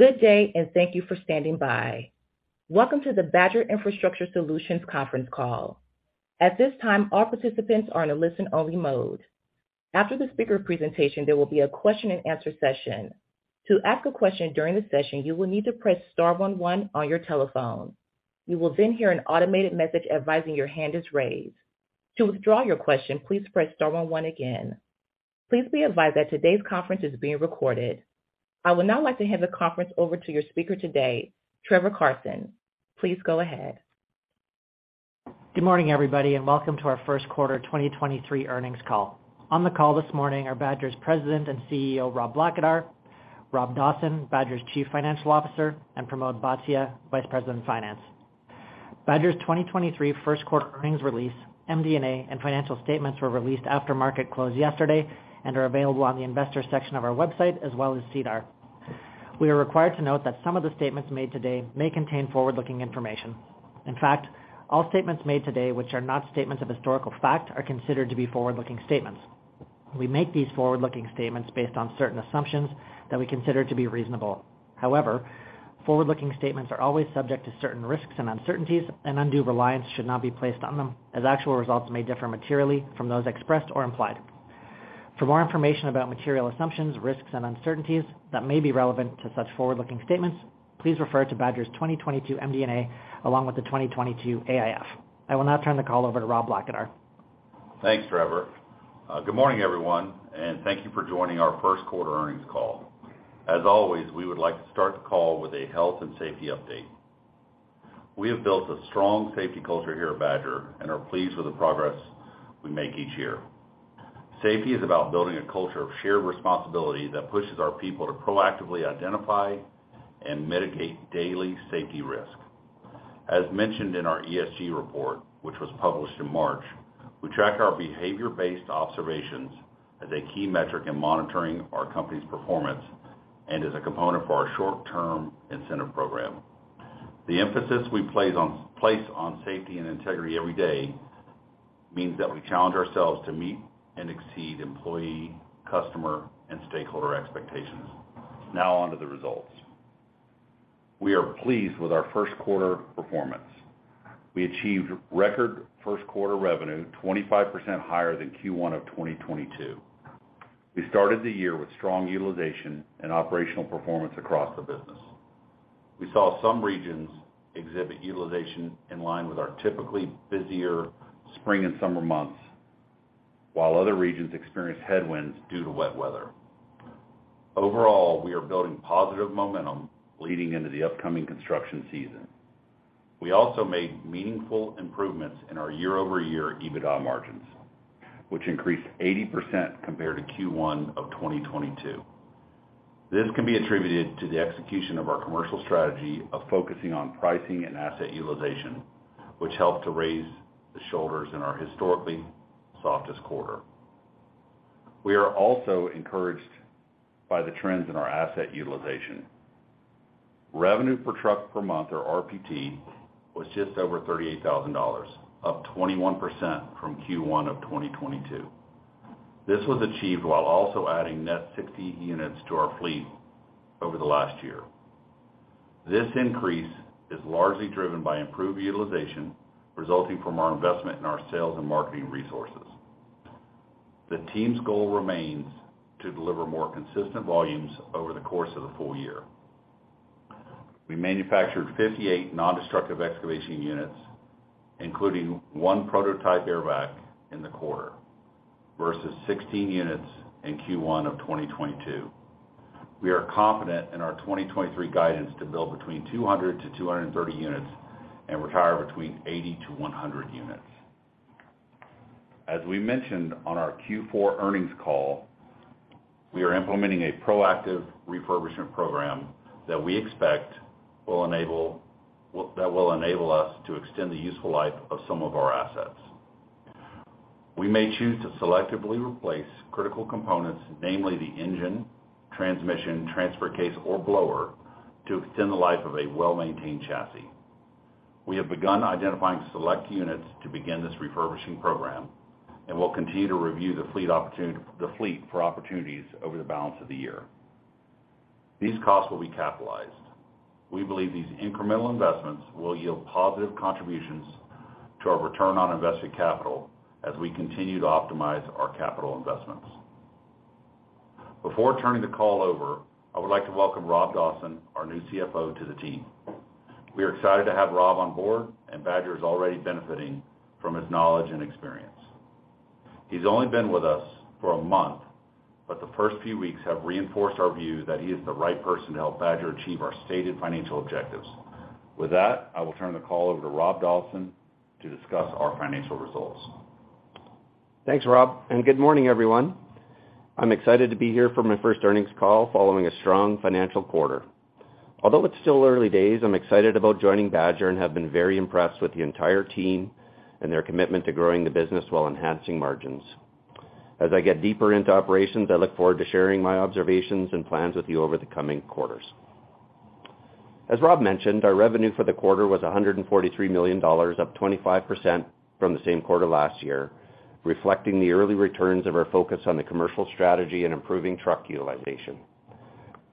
Good day, and thank you for standing by. Welcome to the Badger Infrastructure Solutions conference call. At this time, all participants are in a listen-only mode. After the speaker presentation, there will be a question and answer session. To ask a question during the session, you will need to press star one one on your telephone. You will then hear an automated message advising your hand is raised. To withdraw your question, please press star one one again. Please be advised that today's conference is being recorded. I would now like to hand the conference over to your speaker today, Trevor Carson. Please go ahead. Good morning, everybody, and welcome to our first quarter 2023 earnings call. On the call this morning are Badger's President and CEO, Rob Blackadar; Rob Dawson, Badger's Chief Financial Officer; and Pramod Bhatia, Vice President of Finance. Badger's 2023 first quarter earnings release, MD&A, and financial statements were released after market close yesterday and are available on the investors section of our website as well as SEDAR. We are required to note that some of the statements made today may contain forward-looking information. In fact, all statements made today which are not statements of historical fact are considered to be forward-looking statements. We make these forward-looking statements based on certain assumptions that we consider to be reasonable. However, forward-looking statements are always subject to certain risks and uncertainties and undue reliance should not be placed on them, as actual results may differ materially from those expressed or implied. For more information about material assumptions, risks, and uncertainties that may be relevant to such forward-looking statements, please refer to Badger's 2022 MD&A along with the 2022 AIF. I will now turn the call over to Rob Blackadar. Thanks, Trevor. Good morning, everyone, and thank you for joining our first quarter earnings call. As always, we would like to start the call with a health and safety update. We have built a strong safety culture here at Badger and are pleased with the progress we make each year. Safety is about building a culture of shared responsibility that pushes our people to proactively identify and mitigate daily safety risk. As mentioned in our ESG report, which was published in March, we track our behavior-based observations as a key metric in monitoring our company's performance and as a component for our short-term incentive program. The emphasis we place on safety and integrity every day means that we challenge ourselves to meet and exceed employee, customer, and stakeholder expectations. Now onto the results. We are pleased with our first quarter performance. We achieved record first-quarter revenue 25% higher than Q1 of 2022. We started the year with strong utilization and operational performance across the business. We saw some regions exhibit utilization in line with our typically busier spring and summer months, while other regions experienced headwinds due to wet weather. We are building positive momentum leading into the upcoming construction season. We also made meaningful improvements in our year-over-year EBITDA margins, which increased 80% compared to Q1 of 2022. This can be attributed to the execution of our commercial strategy of focusing on pricing and asset utilization, which helped to raise the shoulders in our historically softest quarter. We are also encouraged by the trends in our asset utilization. Revenue per truck per month, or RPT, was just over $38,000, up 21% from Q1 of 2022. This was achieved while also adding net 60 units to our fleet over the last year. This increase is largely driven by improved utilization resulting from our investment in our sales and marketing resources. The team's goal remains to deliver more consistent volumes over the course of the full year. We manufactured 58 non-destructive excavation units, including one prototype Airvac in the quarter, versus 16 units in Q1 of 2022. We are confident in our 2023 guidance to build between 200-230 units and retire between 80-100 units. As we mentioned on our Q4 earnings call, we are implementing a proactive refurbishment program that we expect will enable us to extend the useful life of some of our assets. We may choose to selectively replace critical components, namely the engine, transmission, transfer case, or blower to extend the life of a well-maintained chassis. We have begun identifying select units to begin this refurbishing program, and we'll continue to review the fleet for opportunities over the balance of the year. These costs will be capitalized. We believe these incremental investments will yield positive contributions to our return on invested capital as we continue to optimize our capital investments. Before turning the call over, I would like to welcome Rob Dawson, our new CFO, to the team. We are excited to have Rob on board, and Badger is already benefiting from his knowledge and experience. He's only been with us for a month, but the first few weeks have reinforced our view that he is the right person to help Badger achieve our stated financial objectives. With that, I will turn the call over to Rob Dawson to discuss our financial results. Thanks, Rob, and good morning, everyone. I'm excited to be here for my first earnings call following a strong financial quarter. Although it's still early days, I'm excited about joining Badger and have been very impressed with the entire team and their commitment to growing the business while enhancing margins. As I get deeper into operations, I look forward to sharing my observations and plans with you over the coming quarters. As Rob mentioned, our revenue for the quarter was 143 million dollars, up 25% from the same quarter last year, reflecting the early returns of our focus on the commercial strategy and improving truck utilization.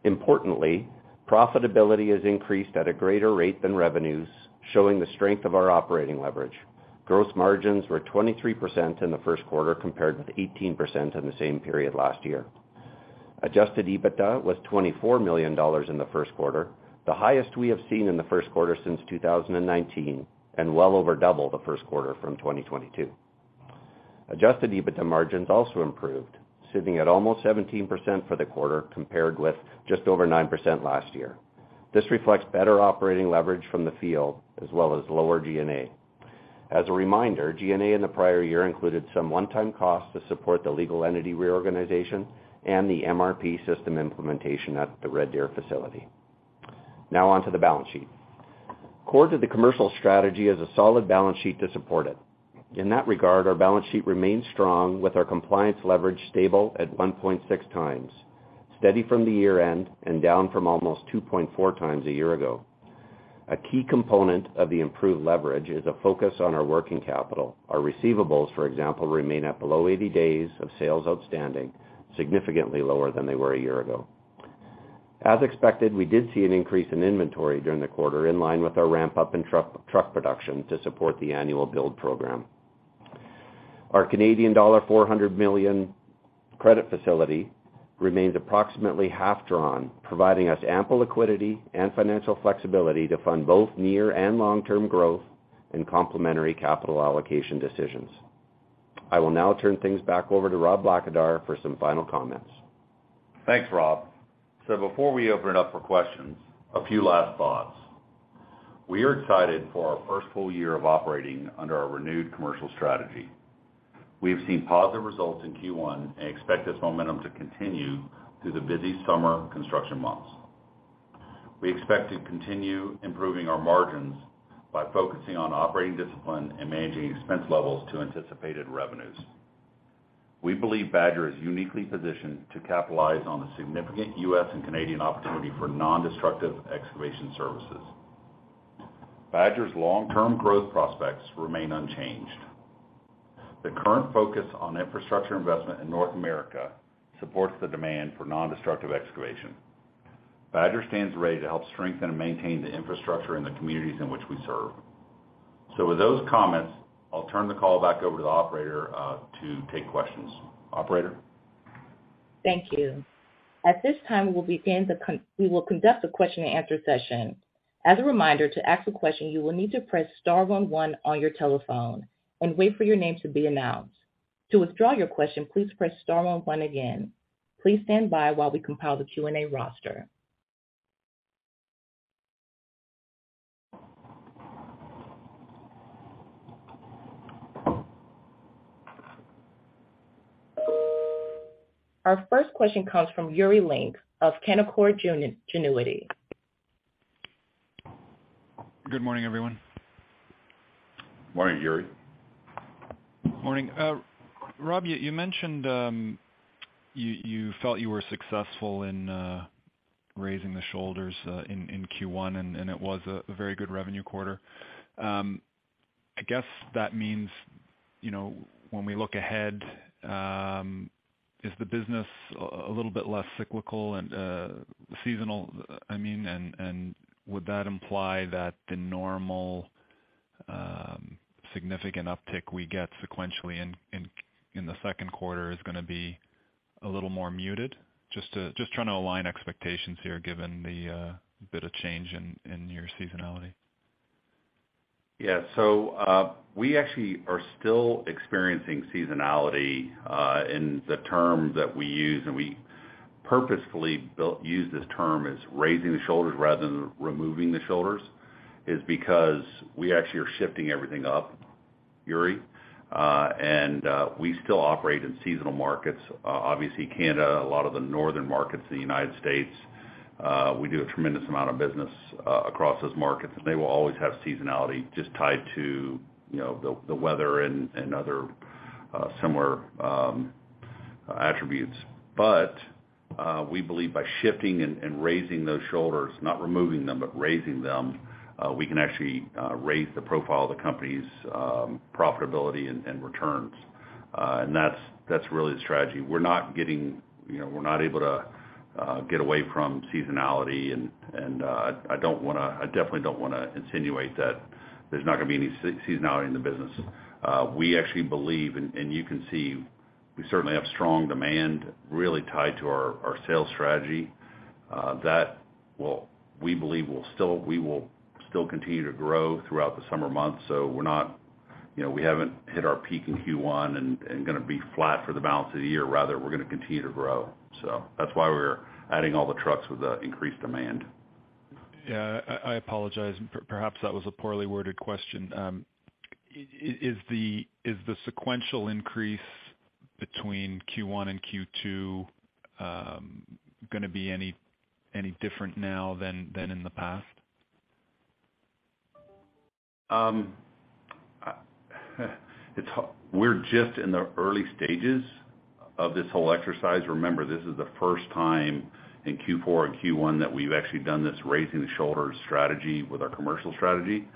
Importantly, profitability has increased at a greater rate than revenues, showing the strength of our operating leverage. Gross margins were 23% in the first quarter compared with 18% in the same period last year. Adjusted EBITDA was 24 million dollars in the first quarter, the highest we have seen in the first quarter since 2019, and well over double the first quarter from 2022. Adjusted EBITDA margins also improved, sitting at almost 17% for the quarter compared with just over 9% last year. This reflects better operating leverage from the field as well as lower G&A. As a reminder, G&A in the prior year included some one-time costs to support the legal entity reorganization and the MRP system implementation at the Red Deer facility. On to the balance sheet. Core to the commercial strategy is a solid balance sheet to support it. In that regard, our balance sheet remains strong with our compliance leverage stable at 1.6x, steady from the year-end and down from almost 2.4x a year ago. A key component of the improved leverage is a focus on our working capital. Our receivables, for example, remain at below 80 days of sales outstanding, significantly lower than they were a year ago. As expected, we did see an increase in inventory during the quarter in line with our ramp up in truck production to support the annual build program. Our Canadian dollar 400 million credit facility remains approximately half drawn, providing us ample liquidity and financial flexibility to fund both near and long-term growth and complementary capital allocation decisions. I will now turn things back over to Rob Blackadar for some final comments. Thanks, Rob. Before we open it up for questions, a few last thoughts. We are excited for our first full year of operating under our renewed commercial strategy. We have seen positive results in Q1 and expect this momentum to continue through the busy summer construction months. We expect to continue improving our margins by focusing on operating discipline and managing expense levels to anticipated revenues. We believe Badger is uniquely positioned to capitalize on the significant U.S. and Canadian opportunity for non-destructive excavation services. Badger's long-term growth prospects remain unchanged. The current focus on infrastructure investment in North America supports the demand for non-destructive excavation. Badger stands ready to help strengthen and maintain the infrastructure in the communities in which we serve. With those comments, I'll turn the call back over to the operator to take questions. Operator? Thank you. At this time, we will conduct a question-and-answer session. As a reminder, to ask a question, you will need to press star one one on your telephone and wait for your name to be announced. To withdraw your question, please press star one one again. Please stand by while we compile the Q&A roster. Our first question comes from Yuri Lynk of Canaccord Genuity. Good morning, everyone. Morning, Yuri. Morning. Rob, you mentioned you felt you were successful in raising the shoulders in Q1, and it was a very good revenue quarter. I guess that means, you know, when we look ahead, is the business a little bit less cyclical and seasonal, I mean, and would that imply that the normal significant uptick we get sequentially in the second quarter is gonna be a little more muted? Just trying to align expectations here given the bit of change in your seasonality. Yeah. We actually are still experiencing seasonality in the term that we use, and we purposefully use this term as raising the shoulders rather than removing the shoulders, is because we actually are shifting everything up, Yuri. We still operate in seasonal markets. Obviously, Canada, a lot of the northern markets in the United States, we do a tremendous amount of business across those markets, and they will always have seasonality just tied to, you know, the weather and other similar attributes. We believe by shifting and raising those shoulders, not removing them, but raising them, we can actually raise the profile of the company's profitability and returns. That's really the strategy. We're not getting, you know, we're not able to get away from seasonality. I definitely don't wanna insinuate that there's not gonna be any seasonality in the business. We actually believe and you can see, we certainly have strong demand really tied to our sales strategy, that we will still continue to grow throughout the summer months. You know, we haven't hit our peak in Q1 and gonna be flat for the balance of the year. Rather, we're gonna continue to grow. That's why we're adding all the trucks with the increased demand. Yeah. I apologize. Perhaps that was a poorly worded question. Is the sequential increase between Q1 and Q2 gonna be any different now than in the past? We're just in the early stages of this whole exercise. Remember, this is the first time in Q4 and Q1 that we've actually done this raising the shoulders strategy with our commercial strategy.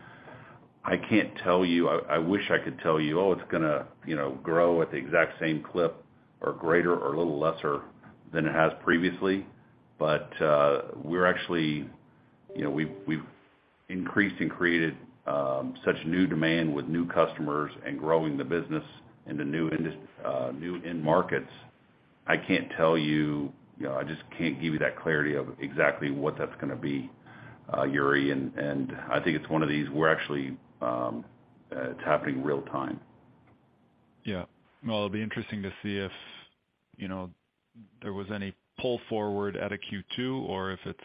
I can't tell you. I wish I could tell you, "Oh, it's gonna, you know, grow at the exact same clip or greater or a little lesser than it has previously." We're actually. You know, we've increased and created such new demand with new customers and growing the business into new end markets. I can't tell you know, I just can't give you that clarity of exactly what that's gonna be, Yuri. And I think it's one of these, we're actually, it's happening real time. Yeah. Well, it'll be interesting to see if, you know, there was any pull forward out of Q2 or if it's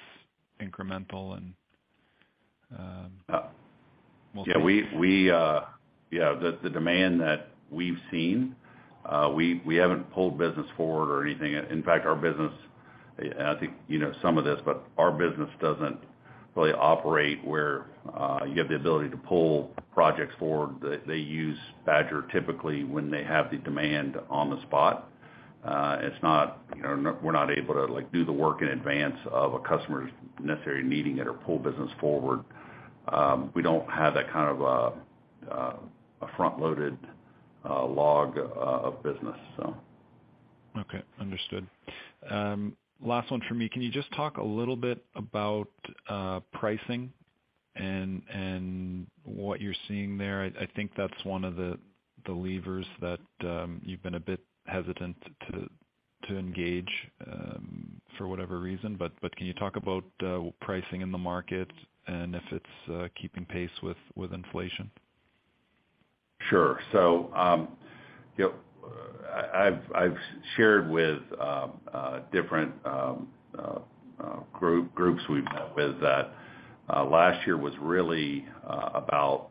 incremental and, we'll see. Yeah. The demand that we've seen, we haven't pulled business forward or anything. In fact, our business, and I think you know some of this, but our business doesn't really operate where you have the ability to pull projects forward. They use Badger typically when they have the demand on the spot. It's not, you know, we're not able to, like, do the work in advance of a customer's necessary needing it or pull business forward. We don't have that kind of a front-loaded log of business, so. Okay. Understood. Last one from me. Can you just talk a little bit about pricing and what you're seeing there? I think that's one of the levers that you've been a bit hesitant to engage for whatever reason. Can you talk about pricing in the market and if it's keeping pace with inflation? Sure. You know, I've shared with different groups we've met with that last year was really about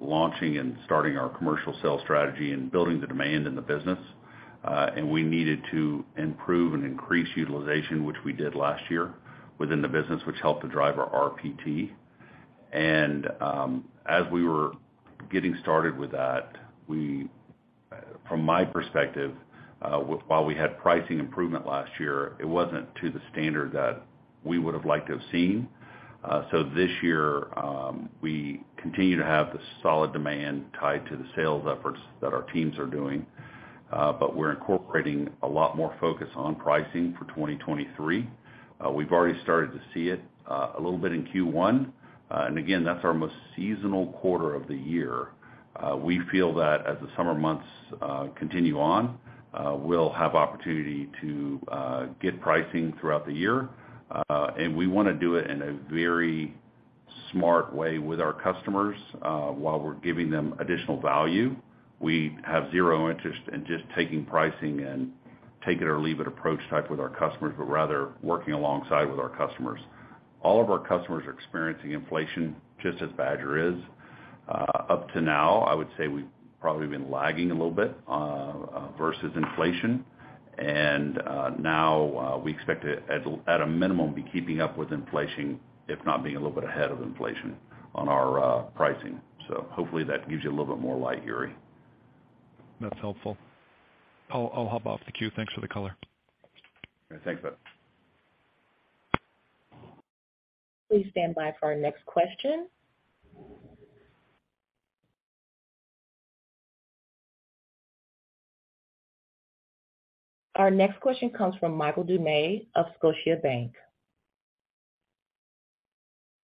launching and starting our commercial sales strategy and building the demand in the business. And we needed to improve and increase utilization, which we did last year within the business, which helped to drive our RPT. As we were getting started with that, we, from my perspective, while we had pricing improvement last year, it wasn't to the standard that we would've liked to have seen. This year, we continue to have the solid demand tied to the sales efforts that our teams are doing. We're incorporating a lot more focus on pricing for 2023. We've already started to see it a little bit in Q1. Again, that's our most seasonal quarter of the year. We feel that as the summer months continue on, we'll have opportunity to get pricing throughout the year. We wanna do it in a very smart way with our customers while we're giving them additional value. We have 0 interest in just taking pricing and take it or leave it approach type with our customers, but rather working alongside with our customers. All of our customers are experiencing inflation just as Badger is. Up to now, I would say we've probably been lagging a little bit versus inflation. Now, we expect to at a minimum be keeping up with inflation, if not being a little bit ahead of inflation on our pricing. Hopefully, that gives you a little bit more light, Yuri. That's helpful. I'll hop off the queue. Thanks for the color. Yeah, thanks, bud. Please stand by for our next question. Our next question comes from Michael Doumet of Scotiabank.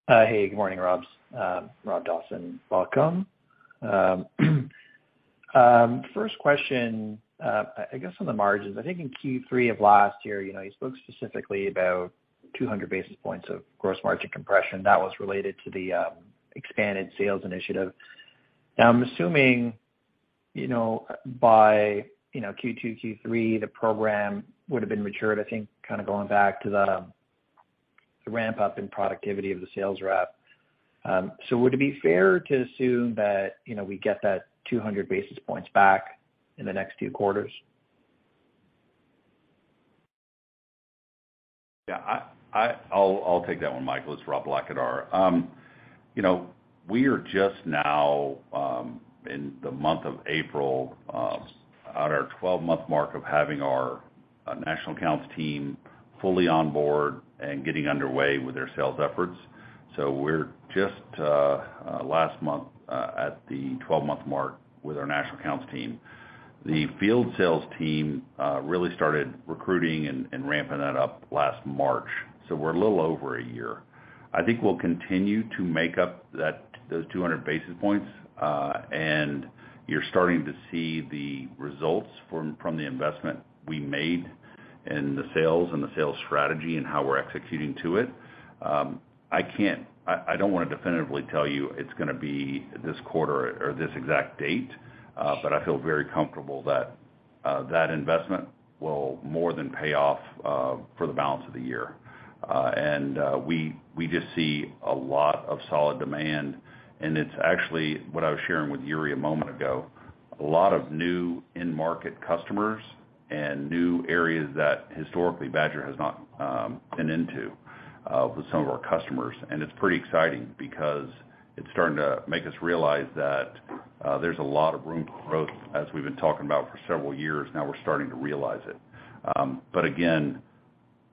Hey, good morning Robs, Rob Dawson, welcome. First question, I guess on the margins. I think in Q3 of last year, you know, you spoke specifically about 200 basis points of gross margin compression that was related to the expanded sales initiative. I'm assuming, you know, by, you know, Q2, Q3, the program would've been matured, I think, kind of going back to the ramp up in productivity of the sales rep. Would it be fair to assume that, you know, we get that 200 basis points back in the next few quarters? I'll take that one, Michael. It's Rob Blackadar. You know, we are just now, in the month of April, at our 12-month mark of having our national accounts team fully on board and getting underway with their sales efforts. We're just, last month, at the 12-month mark with our national accounts team. The field sales team really started recruiting and ramping that up last March, so we're a little over a year. I think we'll continue to make up that, those 200 basis points. You're starting to see the results from the investment we made in the sales and the sales strategy and how we're executing to it. I don't wanna definitively tell you it's gonna be this quarter or this exact date, but I feel very comfortable that investment will more than pay off for the balance of the year. We just see a lot of solid demand, and it's actually what I was sharing with Yuri a moment ago. A lot of new end market customers and new areas that historically Badger has not been into with some of our customers. It's pretty exciting because it's starting to make us realize that. There's a lot of room for growth as we've been talking about for several years now we're starting to realize it. Again,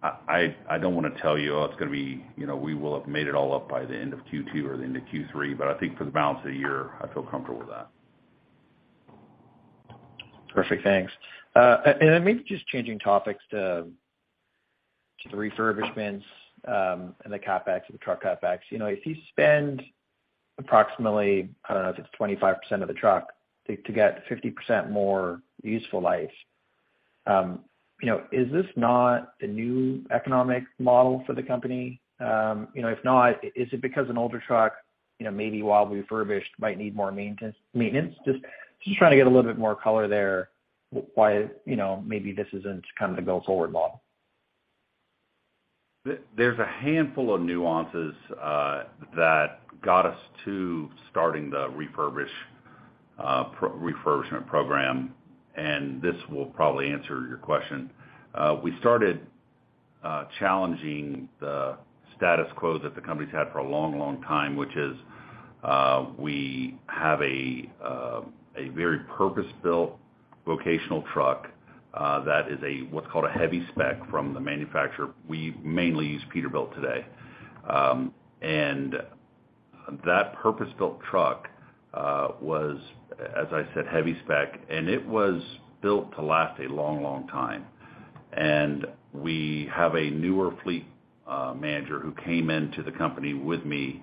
I don't want to tell you, oh, it's gonna be, you know, we will have made it all up by the end of Q2 or the end of Q3, but I think for the balance of the year, I feel comfortable with that. Perfect. Thanks. Then maybe just changing topics to the refurbishments and the CapEx, the truck CapEx. You know, if you spend approximately, I don't know if it's 25% of the truck to get 50% more useful life, you know, is this not the new economic model for the company? You know, if not, is it because an older truck, you know, maybe while refurbished might need more maintenance? Just trying to get a little bit more color there why, you know, maybe this isn't kind of the go forward model. There's a handful of nuances that got us to starting the refurbishment program, and this will probably answer your question. We started challenging the status quo that the company's had for a long, long time, which is, we have a very purpose-built vocational truck that is a what's called a heavy spec from the manufacturer. We mainly use Peterbilt today. And that purpose-built truck was, as I said, heavy spec, and it was built to last a long, long time. We have a newer fleet manager who came into the company with me,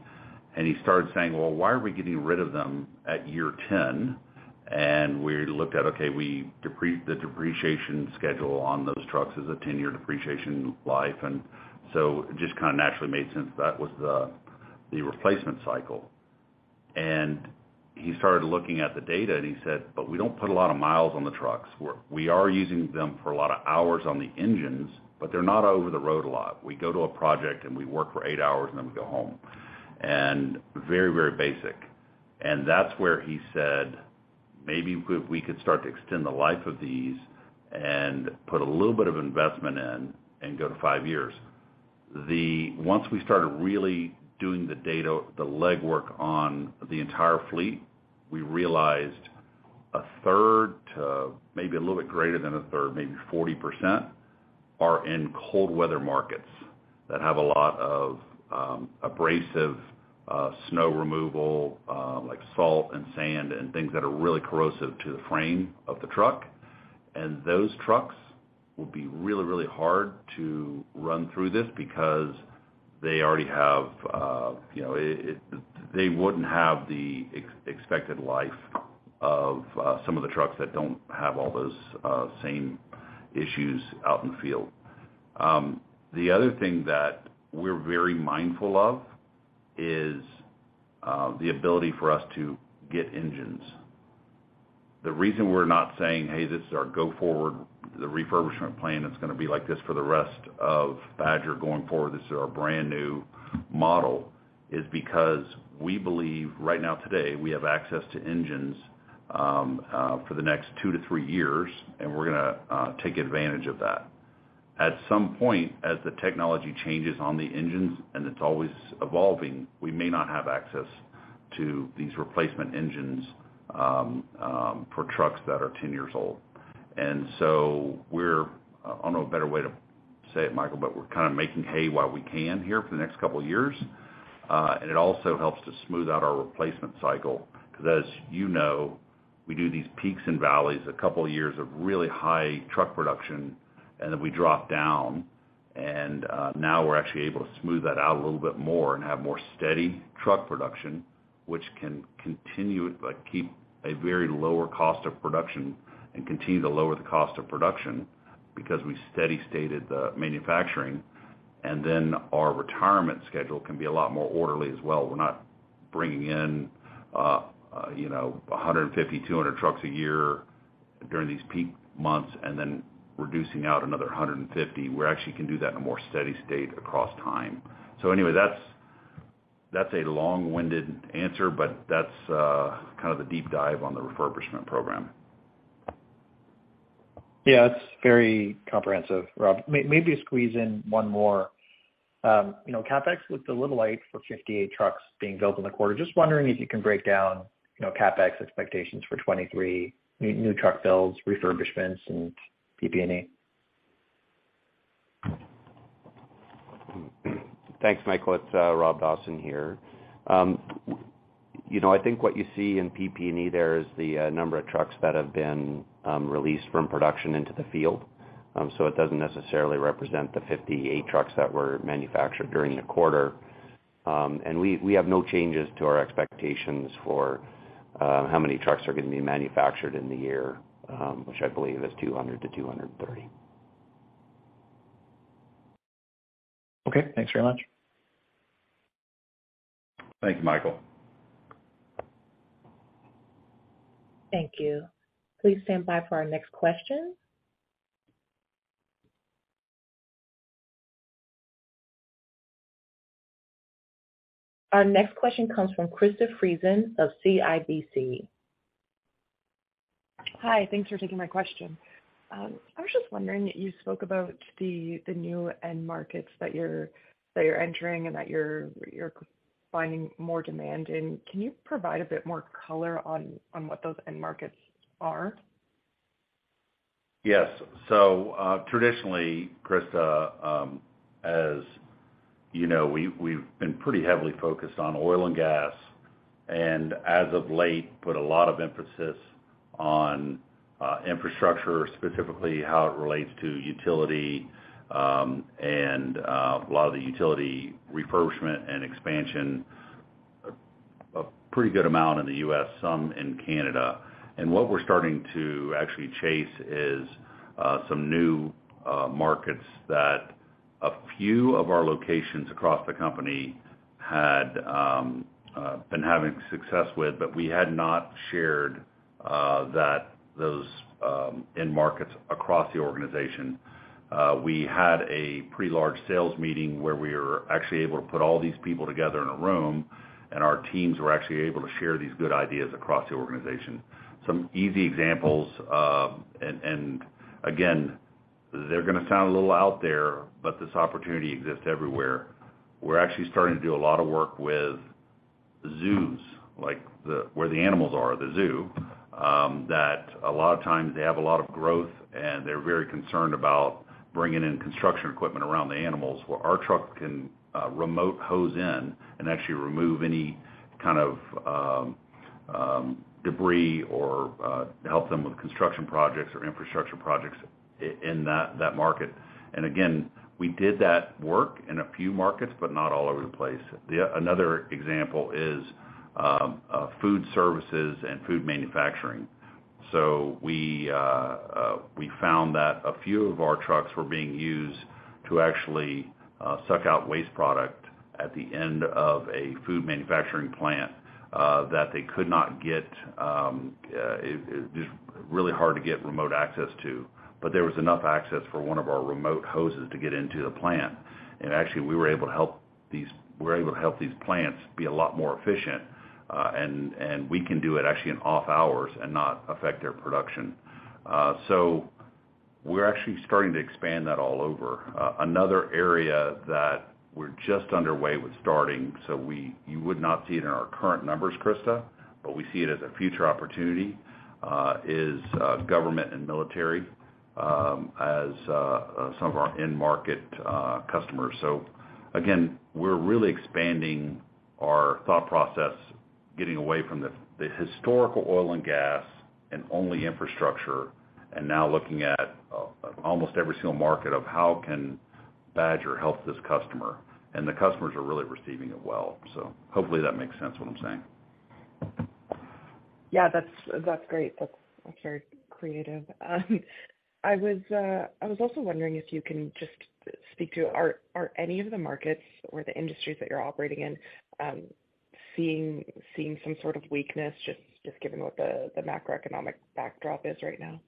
he started saying, "Well, why are we getting rid of them at year 10?" We looked at, okay, the depreciation schedule on those trucks is a 10-year depreciation life. It just kinda naturally made sense that was the replacement cycle. He started looking at the data, and he said, "But we don't put a lot of miles on the trucks. We are using them for a lot of hours on the engines, but they're not over the road a lot. We go to a project, and we work for eight hours, and then we go home." Very, very basic. That's where he said, "Maybe we could start to extend the life of these and put a little bit of investment in and go to five years." Once we started really doing the data, the legwork on the entire fleet, we realized a third to maybe a little bit greater than a third, maybe 40%, are in cold weather markets that have a lot of abrasive snow removal, like salt and sand and things that are really corrosive to the frame of the truck. Those trucks will be really hard to run through this because they already have, you know. They wouldn't have the expected life of some of the trucks that don't have all those same issues out in the field. The other thing that we're very mindful of is the ability for us to get engines. The reason we're not saying, "Hey, this is our go forward, the refurbishment plan that's gonna be like this for the rest of Badger going forward, this is our brand new model," is because we believe right now today we have access to engines, for the next two to three years, and we're gonna take advantage of that. At some point, as the technology changes on the engines, and it's always evolving, we may not have access to these replacement engines, for trucks that are 10 years old. So we're, I don't know a better way to say it, Michael, but we're kind of making hay while we can here for the next couple of years. It also helps to smooth out our replacement cycle because as you know, we do these peaks and valleys, a couple of years of really high truck production, and then we drop down. Now we're actually able to smooth that out a little bit more and have more steady truck production, which can continue but keep a very lower cost of production and continue to lower the cost of production because we steady stated the manufacturing. Then our retirement schedule can be a lot more orderly as well. We're not bringing in, you know, 150, 200 trucks a year during these peak months and then reducing out another 150. We actually can do that in a more steady state across time. That's, that's a long-winded answer, but that's, kind of the deep dive on the refurbishment program. Yeah. It's very comprehensive, Rob. Maybe squeeze in one more. You know, CapEx looked a little light for 58 trucks being built in the quarter. Just wondering if you can break down, you know, CapEx expectations for 2023, new truck builds, refurbishments, and PP&E. Thanks, Michael. It's Rob Dawson here. You know, I think what you see in PP&E there is the number of trucks that have been released from production into the field. So it doesn't necessarily represent the 58 trucks that were manufactured during the quarter. We, we have no changes to our expectations for how many trucks are gonna be manufactured in the year, which I believe is 200-230. Okay. Thanks very much. Thank you, Michael. Thank you. Please stand by for our next question. Our next question comes from Krista Friesen of CIBC. Hi. Thanks for taking my question. I was just wondering, you spoke about the new end markets that you're entering and that you're finding more demand in. Can you provide a bit more color on what those end markets are? Yes. Traditionally, Krista, as you know, we've been pretty heavily focused on oil and gas, and as of late, put a lot of emphasis on infrastructure, specifically how it relates to utility, and a lot of the utility refurbishment and expansion, a pretty good amount in the US, some in Canada. What we're starting to actually chase is some new markets that a few of our locations across the company had been having success with, but we had not shared those end markets across the organization. We had a pretty large sales meeting where we were actually able to put all these people together in a room, and our teams were actually able to share these good ideas across the organization. Some easy examples, and again, they're gonna sound a little out there, but this opportunity exists everywhere. We're actually starting to do a lot of work with zoos, like where the animals are, the zoo, that a lot of times they have a lot of growth, and they're very concerned about bringing in construction equipment around the animals. Well, our truck can remote hose in and actually remove any kind of debris or help them with construction projects or infrastructure projects in that market. Again, we did that work in a few markets, but not all over the place. Another example is food services and food manufacturing. We found that a few of our trucks were being used to actually suck out waste product at the end of a food manufacturing plant that they could not get. Just really hard to get remote access to. There was enough access for one of our remote hoses to get into the plant. Actually, we were able to help these plants be a lot more efficient, and we can do it actually in off hours and not affect their production. We're actually starting to expand that all over. another area that we're just underway with starting, you would not see it in our current numbers, Krista, but we see it as a future opportunity, is government and military, as some of our end market customers. Again, we're really expanding our thought process, getting away from the historical oil and gas and only infrastructure, and now looking at almost every single market of how can Badger help this customer? The customers are really receiving it well. Hopefully that makes sense, what I'm saying. Yeah, that's great. That's very creative. I was also wondering if you can just speak to are any of the markets or the industries that you're operating in, seeing some sort of weakness just given what the macroeconomic backdrop is right now?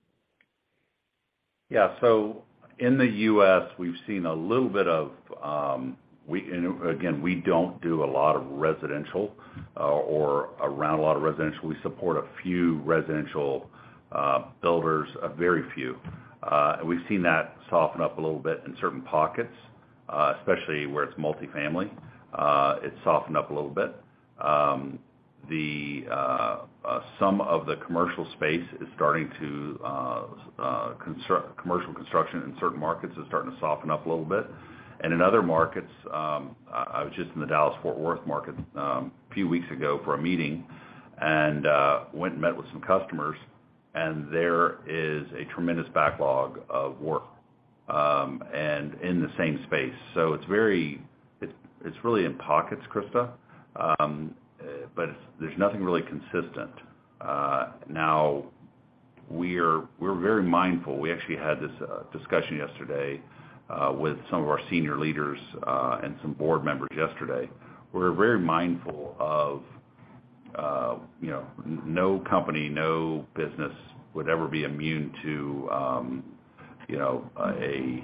In the U.S., we've seen a little bit of, and again, we don't do a lot of residential, or around a lot of residential. We support a few residential builders, a very few. We've seen that soften up a little bit in certain pockets, especially where it's multifamily. It's softened up a little bit. Some of the commercial space is starting to commercial construction in certain markets is starting to soften up a little bit. In other markets, I was just in the Dallas-Fort Worth market a few weeks ago for a meeting and went and met with some customers, and there is a tremendous backlog of work, and in the same space. It's really in pockets, Krista. There's nothing really consistent. Now we're very mindful. We actually had this discussion yesterday with some of our senior leaders and some board members yesterday. We're very mindful of, you know, no company, no business would ever be immune to, you know, a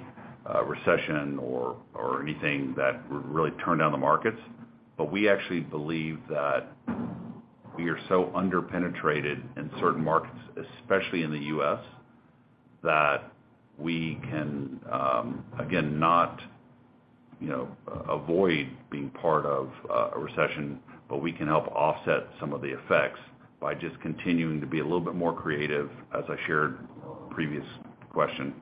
recession or anything that would really turn down the markets. We actually believe that we are so under-penetrated in certain markets, especially in the US, that we can, again, not, you know, avoid being part of a recession, but we can help offset some of the effects by just continuing to be a little bit more creative, as I shared on a previous question,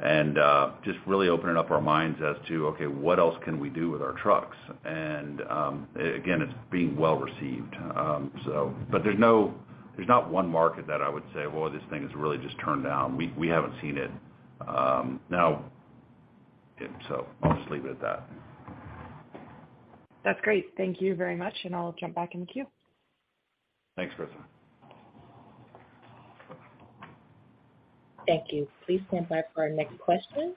and just really opening up our minds as to, okay, what else can we do with our trucks? Again, it's being well-received. There's not one market that I would say, "Well, this thing has really just turned down." We haven't seen it now. I'll just leave it at that. That's great. Thank you very much, and I'll jump back in the queue. Thanks, Krista. Thank you. Please stand by for our next question.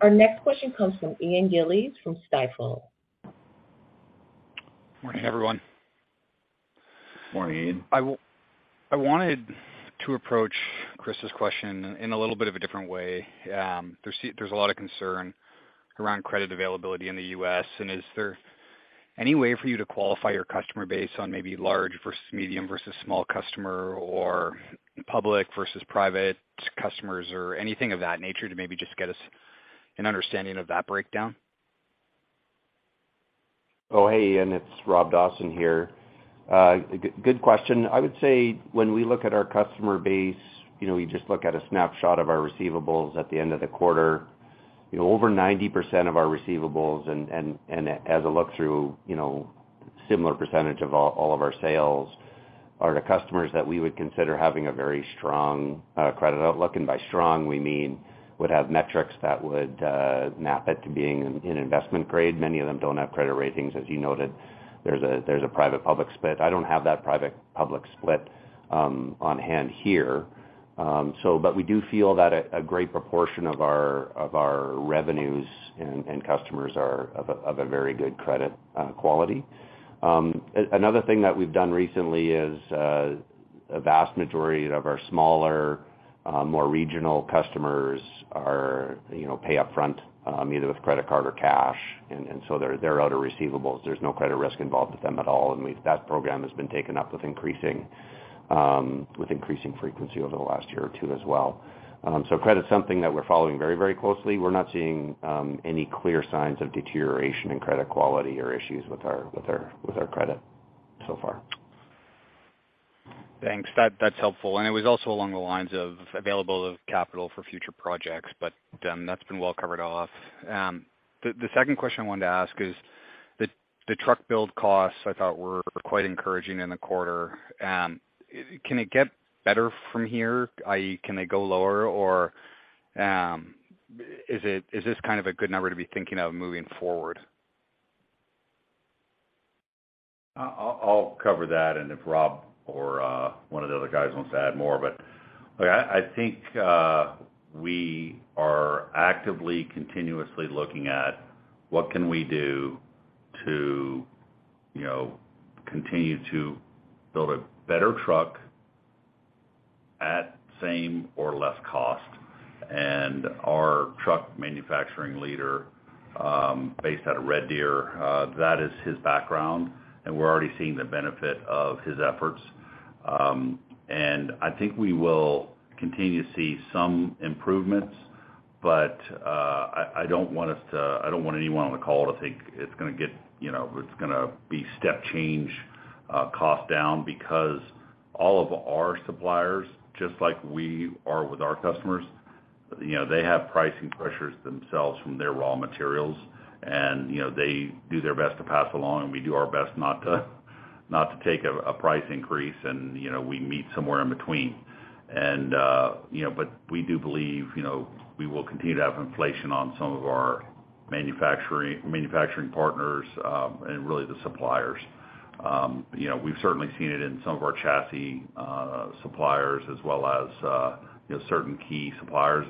Our next question comes from Ian Gillies from Stifel. Morning, everyone. Morning, Ian. I wanted to approach Krista's question in a little bit of a different way. There's a lot of concern around credit availability in the U.S. Is there any way for you to qualify your customer base on maybe large versus medium versus small customer or public versus private customers or anything of that nature to maybe just get us an understanding of that breakdown? Hey, Ian. It's Rob Dawson here. Good question. I would say when we look at our customer base, you know, we just look at a snapshot of our receivables at the end of the quarter. You know, over 90% of our receivables and as a look-through, you know, similar percentage of all of our sales are to customers that we would consider having a very strong credit outlook. By strong, we mean would have metrics that would map it to being in investment grade. Many of them don't have credit ratings. As you noted, there's a private public split. I don't have that private public split on hand here. But we do feel that a great proportion of our revenues and customers are of a very good credit quality. Another thing that we've done recently is a vast majority of our smaller, more regional customers are, you know, pay upfront, either with credit card or cash. So they're out of receivables. There's no credit risk involved with them at all. That program has been taken up with increasing with increasing frequency over the last year or two as well. Credit's something that we're following very, very closely. We're not seeing any clear signs of deterioration in credit quality or issues with our credit so far. Thanks. That's helpful. It was also along the lines of available capital for future projects, but that's been well covered off. The second question I wanted to ask is the truck build costs I thought were quite encouraging in the quarter. Can it get better from here, i.e., can they go lower or is this kind of a good number to be thinking of moving forward? I'll cover that and if Rob or one of the other guys wants to add more, but look, I think we are actively continuously looking at what can we do to, you know, continue to build a better truck at same or less cost. Our truck manufacturing leader, based out of Red Deer, that is his background, and we're already seeing the benefit of his efforts. I think we will continue to see some improvements, but I don't want anyone on the call to think it's gonna get, you know, it's gonna be step change cost down because all of our suppliers, just like we are with our customers, you know, they have pricing pressures themselves from their raw materials. You know, they do their best to pass along, and we do our best not to take a price increase. You know, we meet somewhere in between. You know, but we do believe, you know, we will continue to have inflation on some of our manufacturing partners and really the suppliers. You know, we've certainly seen it in some of our chassis suppliers as well as, you know, certain key suppliers.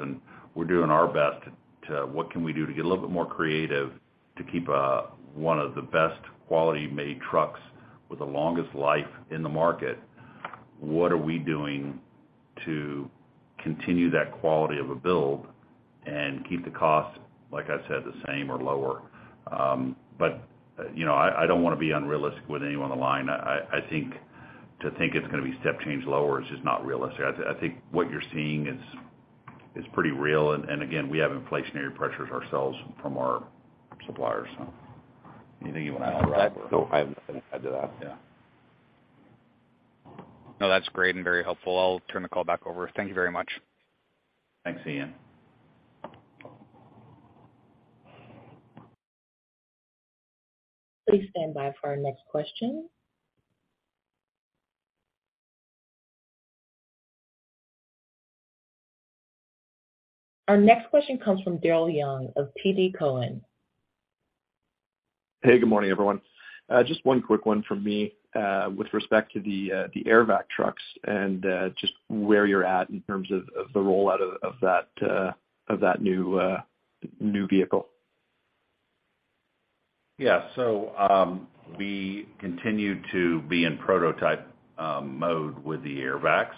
We're doing our best to, what can we do to get a little bit more creative to keep one of the best quality made trucks with the longest life in the market? What are we doing to continue that quality of a build and keep the cost, like I said, the same or lower? You know, I don't wanna be unrealistic with anyone on the line. I think to think it's gonna be step change lower is just not realistic. I think what you're seeing is pretty real. Again, we have inflationary pressures ourselves from our suppliers. Anything you wanna add, Rob? No, I have nothing to add to that. Yeah. No, that's great and very helpful. I'll turn the call back over. Thank you very much. Thanks, Ian. Please stand by for our next question. Our next question comes from Daryl Young of TD Cowen. Hey, good morning, everyone. Just one quick one from me, with respect to the Airvac trucks and, just where you're at in terms of the rollout of that, of that new vehicle. We continue to be in prototype mode with the Airvacs.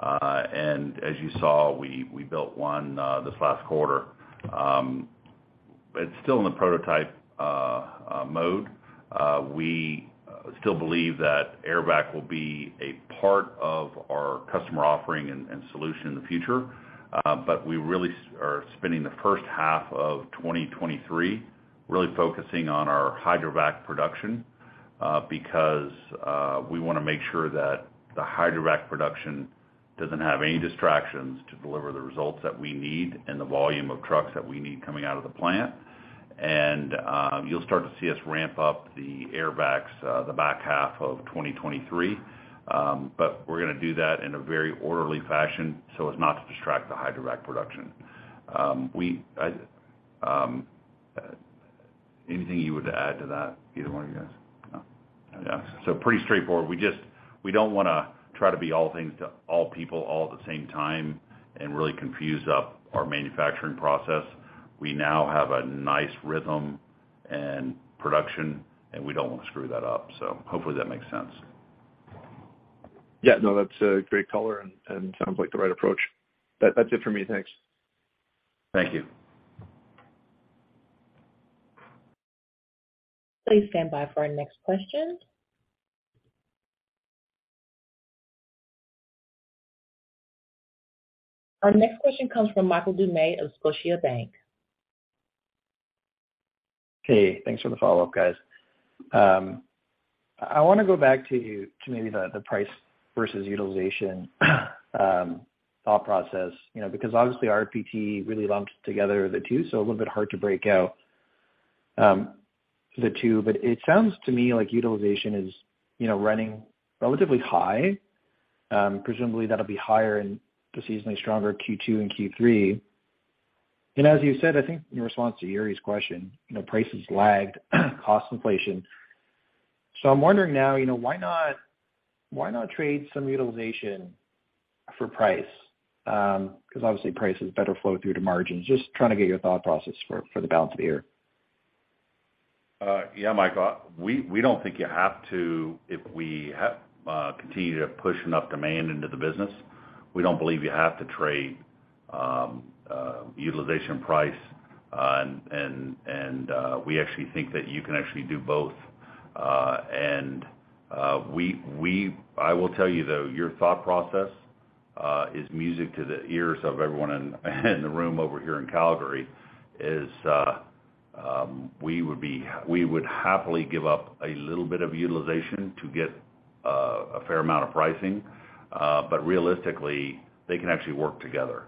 As you saw, we built one this last quarter. It's still in the prototype mode. We still believe that Airvac will be a part of our customer offering and solution in the future. We really are spending the first half of 2023 really focusing on our hydrovac production, because we wanna make sure that the hydrovac production doesn't have any distractions to deliver the results that we need and the volume of trucks that we need coming out of the plant. You'll start to see us ramp up the Airvacs, the back half of 2023. We're gonna do that in a very orderly fashion so as not to distract the hydrovac production. Anything you would add to that, either one of you guys? No. Yeah. Pretty straightforward. We just, we don't wanna try to be all things to all people all at the same time and really confuse up our manufacturing process. We now have a nice rhythm and production, and we don't want to screw that up. Hopefully that makes sense. Yeah, no, that's a great color and sounds like the right approach. That's it for me. Thanks. Thank you. Please stand by for our next question. Our next question comes from Michael Doumet of Scotiabank. Hey, thanks for the follow-up, guys. I wanna go back to maybe the price versus utilization thought process, you know, because obviously RPT really lumped together the two, so a little bit hard to break out the two. But it sounds to me like utilization is, you know, running relatively high. Presumably that'll be higher and seasonally stronger in Q2 and Q3. As you said, I think in response to Yuri's question, you know, price has lagged cost inflation. I'm wondering now, you know, why not trade some utilization for price? 'Cause obviously price has better flow through to margins. Just trying to get your thought process for the balance of the year. Yeah, Michael, if we continue to push enough demand into the business, we don't believe you have to trade utilization price. We actually think that you can actually do both. I will tell you though, your thought process is music to the ears of everyone in the room over here in Calgary, is we would happily give up a little bit of utilization to get a fair amount of pricing. Realistically, they can actually work together.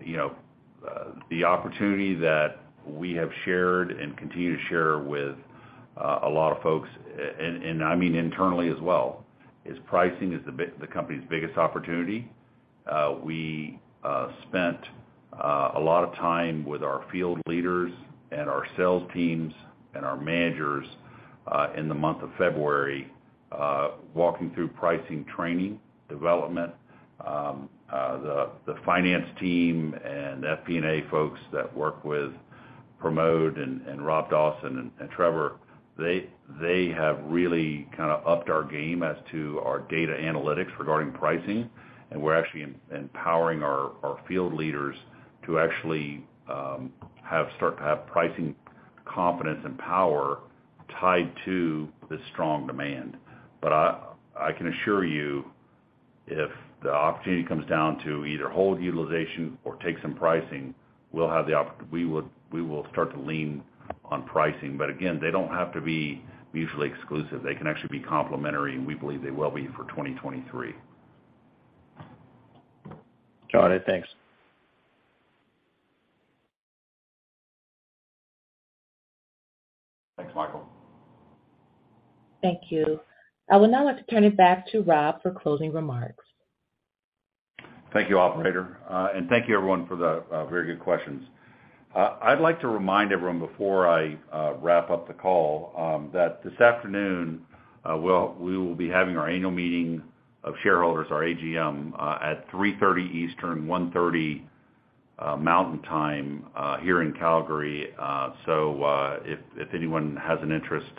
You know, the opportunity that we have shared and continue to share with a lot of folks, and I mean internally as well, is pricing is the company's biggest opportunity. We spent a lot of time with our field leaders and our sales teams and our managers in the month of February, walking through pricing training, development, the finance team and FP&A folks that work with Pramod and Rob Dawson and Trevor. They have really kinda upped our game as to our data analytics regarding pricing, and we're actually empowering our field leaders to actually start to have pricing confidence and power tied to the strong demand. I can assure you, if the opportunity comes down to either hold utilization or take some pricing, we will start to lean on pricing. Again, they don't have to be mutually exclusive. They can actually be complementary, and we believe they will be for 2023. Got it. Thanks. Thanks, Michael. Thank you. I would now like to turn it back to Rob for closing remarks. Thank you, operator. Thank you everyone for the very good questions. I'd like to remind everyone before I wrap up the call that this afternoon we will be having our annual meeting of shareholders, our AGM, at 3:30 P.M. Eastern, 1:30 P.M. Mountain Time here in Calgary. If anyone has an interest,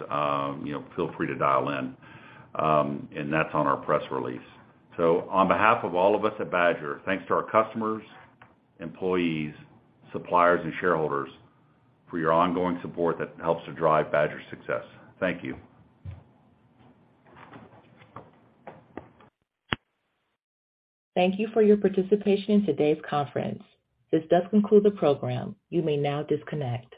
you know, feel free to dial in. That's on our press release. On behalf of all of us at Badger, thanks to our customers, employees, suppliers and shareholders for your ongoing support that helps to drive Badger's success. Thank you. Thank you for your participation in today's conference. This does conclude the program. You may now disconnect.